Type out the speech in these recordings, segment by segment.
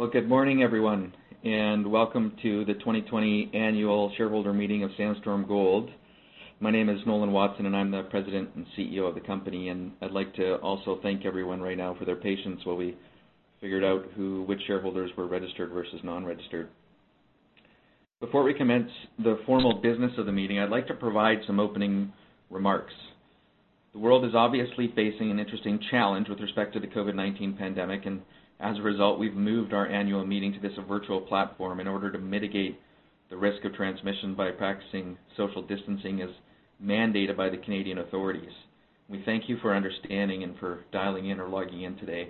Well, good morning, everyone, and welcome to the 2020 annual shareholder meeting of Sandstorm Gold. My name is Nolan Watson, and I'm the President and CEO of the company. I'd like to also thank everyone right now for their patience while we figured out which shareholders were registered versus non-registered. Before we commence the formal business of the meeting, I'd like to provide some opening remarks. The world is obviously facing an interesting challenge with respect to the COVID-19 pandemic, and as a result, we've moved our annual meeting to this virtual platform in order to mitigate the risk of transmission by practicing social distancing as mandated by the Canadian authorities. We thank you for understanding and for dialing in or logging in today,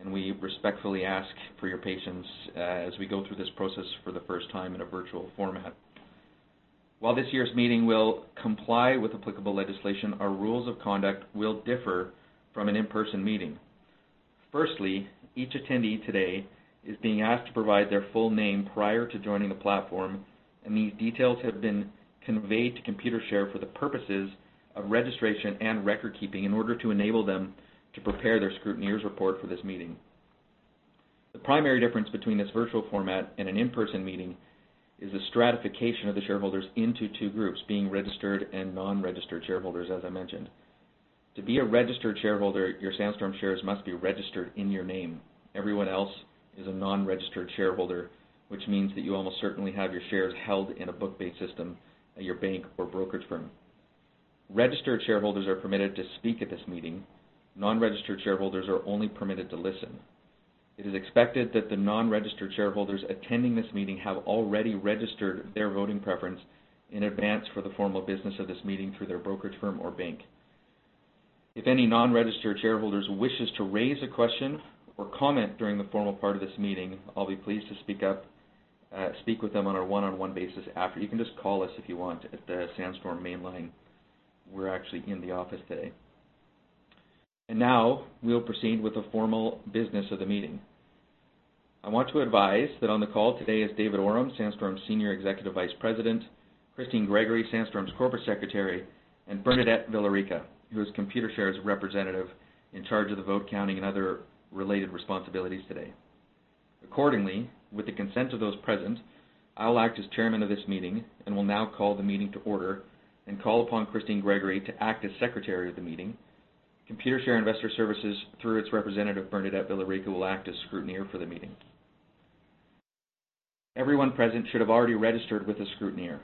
and we respectfully ask for your patience as we go through this process for the first time in a virtual format. While this year's meeting will comply with applicable legislation, our rules of conduct will differ from an in-person meeting. Firstly, each attendee today is being asked to provide their full name prior to joining the platform, and these details have been conveyed to Computershare for the purposes of registration and record keeping in order to enable them to prepare their scrutineer's report for this meeting. The primary difference between this virtual format and an in-person meeting is the stratification of the shareholders into two groups, being registered and non-registered shareholders, as I mentioned. To be a registered shareholder, your Sandstorm shares must be registered in your name. Everyone else is a non-registered shareholder, which means that you almost certainly have your shares held in a book-based system at your bank or brokerage firm. Registered shareholders are permitted to speak at this meeting. Non-registered shareholders are only permitted to listen. It is expected that the non-registered shareholders attending this meeting have already registered their voting preference in advance for the formal business of this meeting through their brokerage firm or bank. If any non-registered shareholders wishes to raise a question or comment during the formal part of this meeting, I'll be pleased to speak with them on a one-on-one basis after. You can just call us if you want at the Sandstorm main line. We're actually in the office today. Now we'll proceed with the formal business of the meeting. I want to advise that on the call today is David Awram, Sandstorm's Senior Executive Vice President, Christine Gregory, Sandstorm's Corporate Secretary, and Bernadette Villarica, who is Computershare's representative in charge of the vote counting and other related responsibilities today. Accordingly, with the consent of those present, I'll act as chairman of this meeting and will now call the meeting to order and call upon Christine Gregory to act as secretary of the meeting. Computershare Investor Services, through its representative, Bernadette Villarica, will act as scrutineer for the meeting. Everyone present should have already registered with the scrutineer.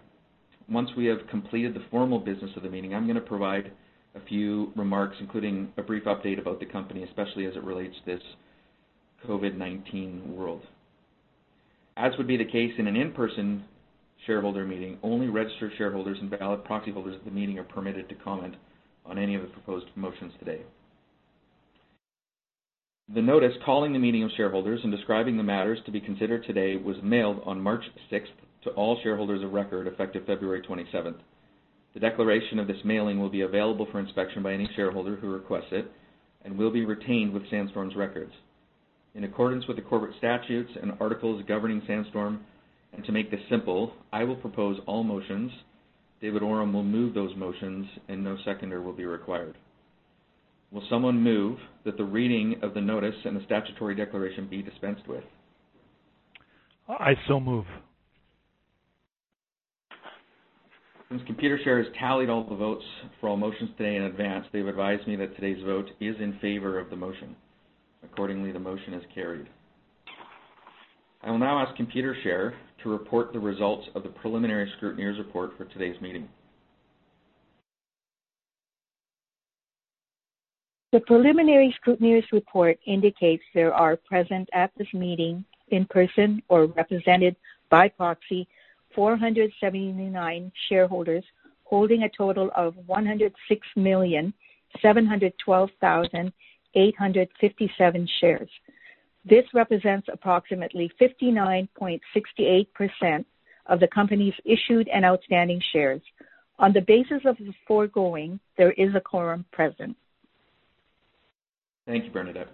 Once we have completed the formal business of the meeting, I'm going to provide a few remarks, including a brief update about the company, especially as it relates to this COVID-19 world. As would be the case in an in-person shareholder meeting, only registered shareholders and valid proxy holders at the meeting are permitted to comment on any of the proposed motions today. The notice calling the meeting of shareholders and describing the matters to be considered today was mailed on March 6th to all shareholders of record effective February 27th. The declaration of this mailing will be available for inspection by any shareh older who requests it and will be retained with Sandstorm's records. In accordance with the corporate statutes and articles governing Sandstorm, to make this simple, I will propose all motions, David Awram will move those motions, and no seconder will be required. Will someone move that the reading of the notice and the statutory declaration be dispensed with? I so move. Since Computershare has tallied all the votes for all motions today in advance, they've advised me that today's vote is in favor of the motion. Accordingly, the motion is carried. I will now ask Computershare to report the results of the preliminary scrutineer's report for today's meeting. The preliminary scrutineer's report indicates there are present at this meeting, in person or represented by proxy, 479 shareholders holding a total of 106,712,857 shares. This represents approximately 59.68% of the company's issued and outstanding shares. On the basis of the foregoing, there is a quorum present. Thank you, Bernadette.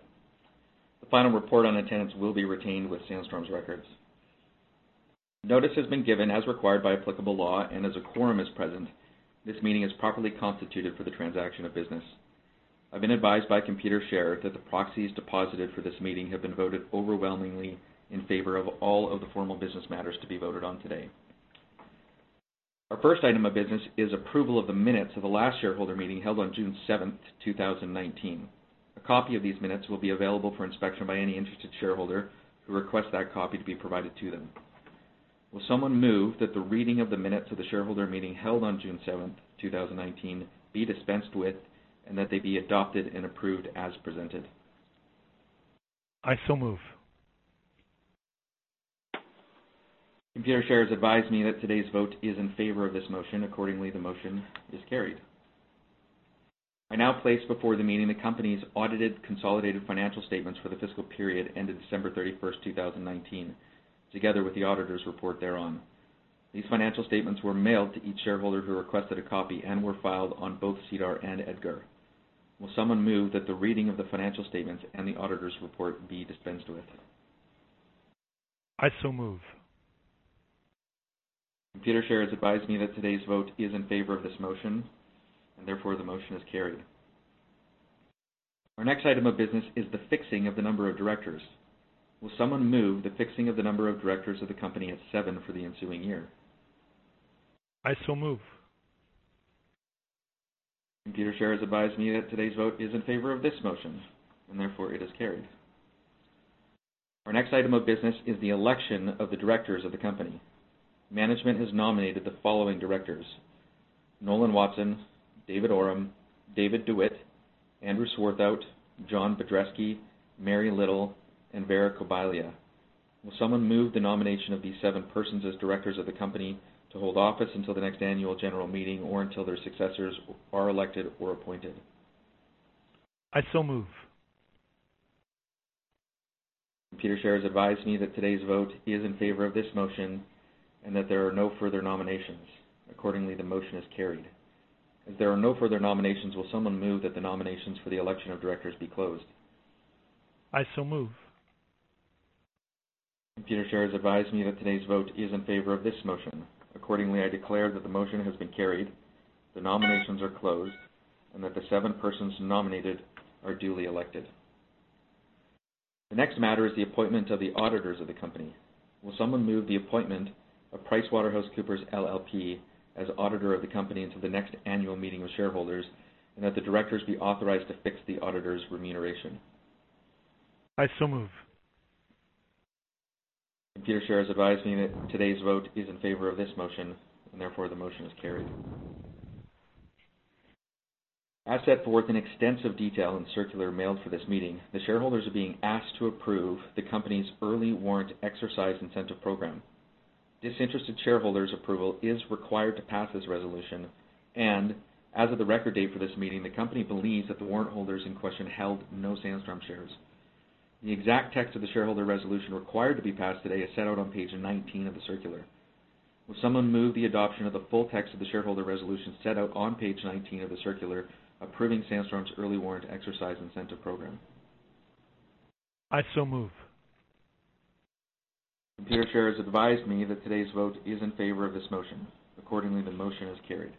The final report on attendance will be retained with Sandstorm's records. Notice has been given as required by applicable law, and as a quorum is present, this meeting is properly constituted for the transaction of business. I've been advised by Computershare that the proxies deposited for this meeting have been voted overwhelmingly in favor of all of the formal business matters to be voted on today. Our first item of business is approval of the minutes of the last shareholder meeting held on June 7th, 2019. A copy of these minutes will be available for inspection by any interested shareholder who requests that copy to be provided to them. Will someone move that the reading of the minutes of the shareholder meeting held on June 7th, 2019, be dispensed with, and that they be adopted and approved as presented? I so move. Computershare has advised me that today's vote is in favor of this motion. Accordingly, the motion is carried. I now place before the meeting the company's audited consolidated financial statements for the fiscal period ended December 31st, 2019, together with the auditor's report thereon. These financial statements were mailed to each shareholder who requested a copy and were filed on both SEDAR and EDGAR. Will someone move that the reading of the financial statements and the auditor's report be dispensed with? I so move. Computershare has advised me that today's vote is in favor of this motion, and therefore the motion is carried. Our next item of business is the fixing of the number of directors. Will someone move the fixing of the number of directors of the company at seven for the ensuing year? I so move. Computershare has advised me that today's vote is in favor of this motion. Therefore, it is carried. Our next item of business is the election of the directors of the company. Management has nominated the following directors: Nolan Watson, David Awram, David De Witt, Andrew Swarthout, John Budreski, Mary Little, and Vera Kobalia. Will someone move the nomination of these seven persons as directors of the company to hold office until the next annual general meeting or until their successors are elected or appointed? I so move. Computershare has advised me that today's vote is in favor of this motion and that there are no further nominations. Accordingly, the motion is carried. As there are no further nominations, will someone move that the nominations for the election of directors be closed? I so move. Computershare has advised me that today's vote is in favor of this motion. Accordingly, I declare that the motion has been carried, the nominations are closed, and that the seven persons nominated are duly elected. The next matter is the appointment of the auditors of the company. Will someone move the appointment of PricewaterhouseCoopers LLP as auditor of the company into the next annual meeting with shareholders, and that the directors be authorized to fix the auditor's remuneration? I so move. Computershare has advised me that today's vote is in favor of this motion, and therefore the motion is carried. As set forth in extensive detail in circular mailed for this meeting, the shareholders are being asked to approve the company's early warrant exercise incentive program. Disinterested shareholders' approval is required to pass this resolution, and as of the record date for this meeting, the company believes that the warrant holders in question held no Sandstorm shares. The exact text of the shareholder resolution required to be passed today is set out on page 19 of the circular. Will someone move the adoption of the full text of the shareholder resolution set out on page 19 of the circular approving Sandstorm's early warrant exercise incentive program? I so move. Computershare has advised me that today's vote is in favor of this motion. Accordingly, the motion is carried.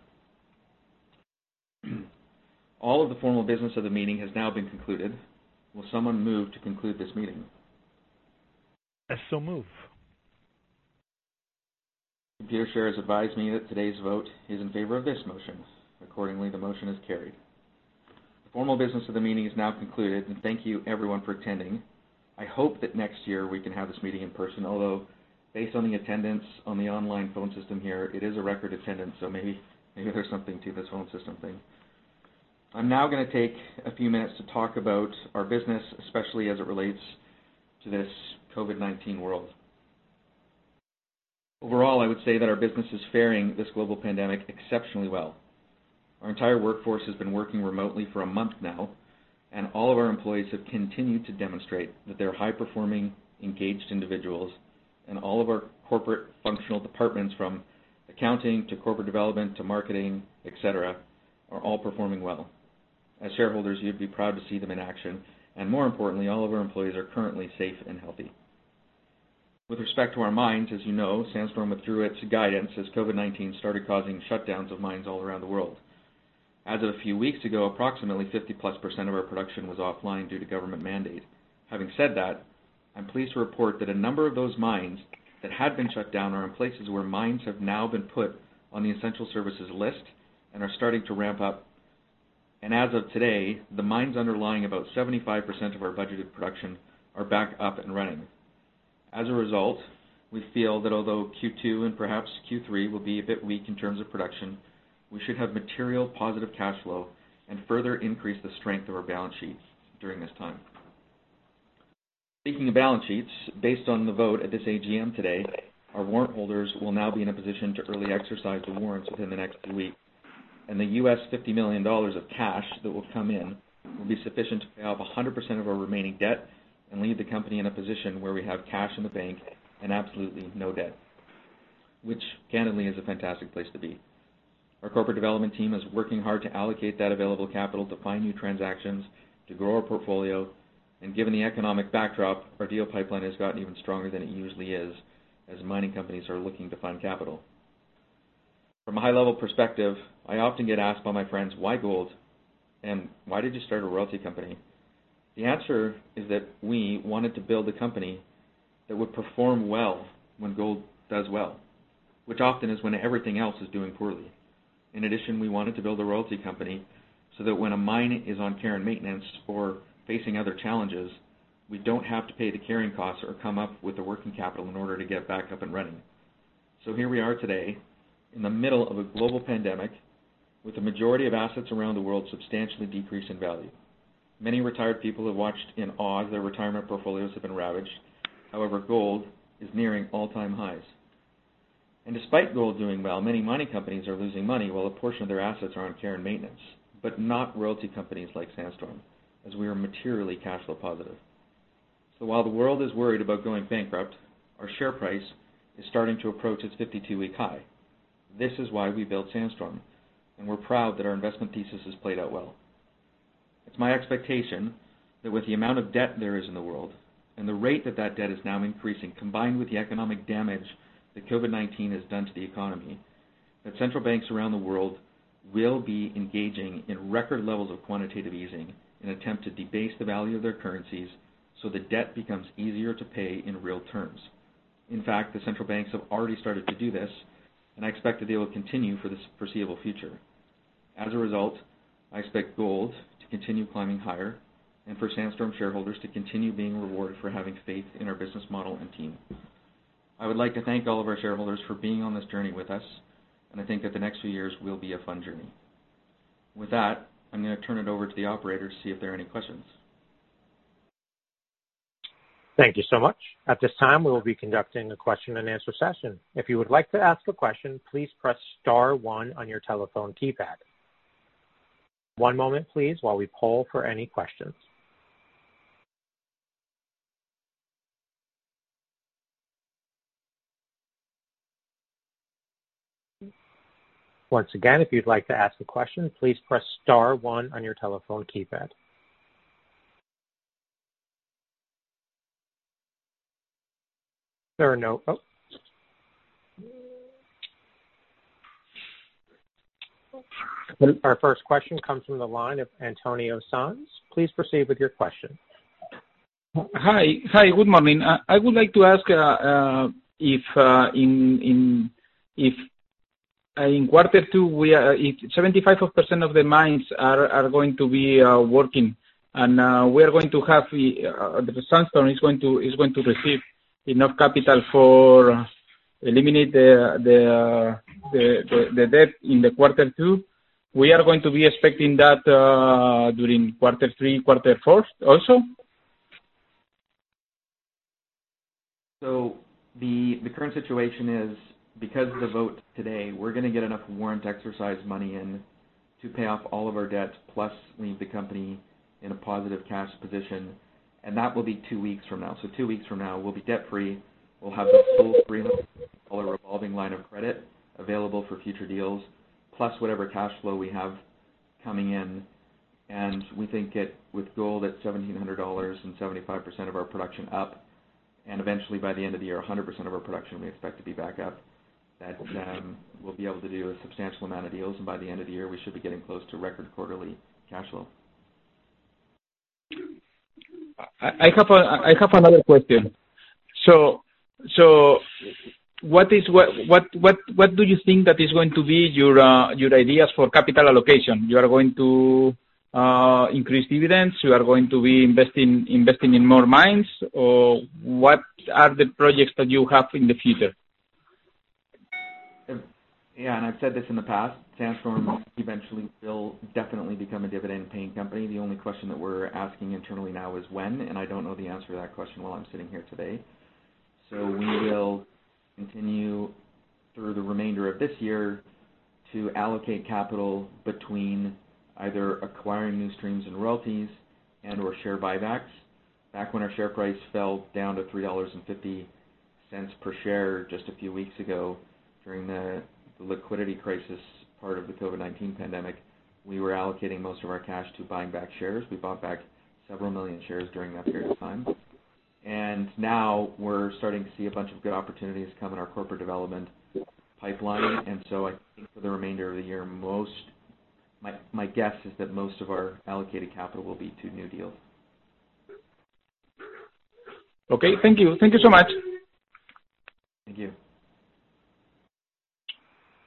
All of the formal business of the meeting has now been concluded. Will someone move to conclude this meeting? I so move. Computershare has advised me that today's vote is in favor of this motion. The motion is carried. The formal business of the meeting is now concluded. Thank you everyone for attending. I hope that next year we can have this meeting in person, although based on the attendance on the online phone system here, it is a record attendance, maybe there's something to this whole system thing. I'm now going to take a few minutes to talk about our business, especially as it relates to this COVID-19 world. Overall, I would say that our business is faring this global pandemic exceptionally well. Our entire workforce has been working remotely for a month now, and all of our employees have continued to demonstrate that they're high-performing, engaged individuals, and all of our corporate functional departments, from accounting to corporate development to marketing, et cetera, are all performing well. As shareholders, you'd be proud to see them in action, and more importantly, all of our employees are currently safe and healthy. With respect to our mines, as you know, Sandstorm withdrew its guidance as COVID-19 started causing shutdowns of mines all around the world. As of a few weeks ago, approximately 50-plus % of our production was offline due to government mandate. Having said that, I'm pleased to report that a number of those mines that had been shut down are in places where mines have now been put on the essential services list and are starting to ramp up. As of today, the mines underlying about 75% of our budgeted production are back up and running. As a result, we feel that although Q2 and perhaps Q3 will be a bit weak in terms of production, we should have material positive cash flow and further increase the strength of our balance sheets during this time. Speaking of balance sheets, based on the vote at this AGM today, our warrant holders will now be in a position to early exercise the warrants within the next week, and the US $50 million of cash that will come in will be sufficient to pay off 100% of our remaining debt and leave the company in a position where we have cash in the bank and absolutely no debt, which candidly is a fantastic place to be. Our corporate development team is working hard to allocate that available capital to find new transactions to grow our portfolio. Given the economic backdrop, our deal pipeline has gotten even stronger than it usually is, as mining companies are looking to find capital. From a high-level perspective, I often get asked by my friends, "Why gold?" and, "Why did you start a royalty company?" The answer is that we wanted to build a company that would perform well when gold does well, which often is when everything else is doing poorly. In addition, we wanted to build a royalty company so that when a mine is on care and maintenance or facing other challenges, we don't have to pay the carrying costs or come up with the working capital in order to get back up and running. Here we are today in the middle of a global pandemic with the majority of assets around the world substantially decreased in value. Many retired people have watched in awe as their retirement portfolios have been ravaged. However, gold is nearing all-time highs. Despite gold doing well, many mining companies are losing money while a portion of their assets are on care and maintenance, but not royalty companies like Sandstorm, as we are materially cash flow positive. While the world is worried about going bankrupt, our share price is starting to approach its 52-week high. This is why we built Sandstorm, and we're proud that our investment thesis has played out well. It's my expectation that with the amount of debt there is in the world and the rate that that debt is now increasing, combined with the economic damage that COVID-19 has done to the economy, that central banks around the world will be engaging in record levels of quantitative easing in attempt to debase the value of their currencies so the debt becomes easier to pay in real terms. In fact, the central banks have already started to do this, and I expect that they will continue for the foreseeable future. As a result, I expect gold to continue climbing higher and for Sandstorm shareholders to continue being rewarded for having faith in our business model and team. I would like to thank all of our shareholders for being on this journey with us, and I think that the next few years will be a fun journey. With that, I'm going to turn it over to the operator to see if there are any questions. Thank you so much. At this time, we will be conducting a question and answer session. If you would like to ask a question, please press star one on your telephone keypad. One moment, please, while we poll for any questions. Once again, if you'd like to ask a question, please press star one on your telephone keypad. There are no. Oh. Our first question comes from the line of Antonio Sanz. Please proceed with your question. Hi. Good morning. I would like to ask if in quarter two, if 75% of the mines are going to be working and Sandstorm is going to receive enough capital for eliminate the debt in the quarter two, we are going to be expecting that during quarter three, quarter four also? The current situation is because of the vote today, we're going to get enough warrant exercise money in to pay off all of our debt, plus leave the company in a positive cash position, and that will be two weeks from now. Two weeks from now, we'll be debt-free. We'll have this full $300 million revolving line of credit available for future deals, plus whatever cash flow we have coming in, and we think with gold at $1,700 and 75% of our production up, and eventually by the end of the year, 100% of our production we expect to be back up, that we'll be able to do a substantial amount of deals, and by the end of the year, we should be getting close to record quarterly cash flow. I have another question. What do you think that is going to be your ideas for capital allocation? You are going to increase dividends? You are going to be investing in more mines? What are the projects that you have in the future? Yeah, I've said this in the past, Sandstorm will definitely become a dividend-paying company. The only question that we're asking internally now is when, and I don't know the answer to that question while I'm sitting here today. We will continue through the remainder of this year to allocate capital between either acquiring new streams and royalties and/or share buybacks. Back when our share price fell down to $3.50 per share just a few weeks ago during the liquidity crisis part of the COVID-19 pandemic, we were allocating most of our cash to buying back shares. We bought back several million shares during that period of time. Now we're starting to see a bunch of good opportunities come in our corporate development pipeline. I think for the remainder of the year, my guess is that most of our allocated capital will be to new deals. Okay. Thank you. Thank you so much. Thank you.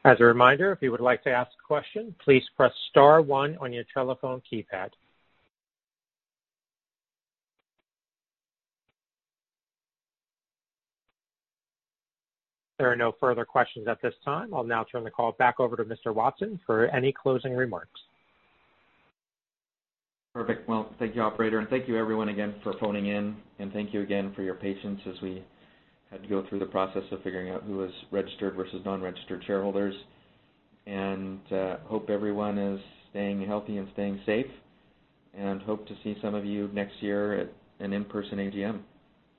As a reminder, if you would like to ask a question, please press star one on your telephone keypad. There are no further questions at this time. I'll now turn the call back over to Mr. Watson for any closing remarks. Perfect. Well, thank you, operator, and thank you everyone again for phoning in, and thank you again for your patience as we had to go through the process of figuring out who was registered versus non-registered shareholders. Hope everyone is staying healthy and staying safe, and hope to see some of you next year at an in-person AGM.